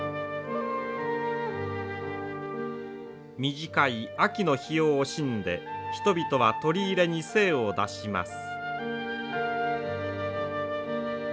短い秋の日を惜しんで人々は取り入れに精を出します。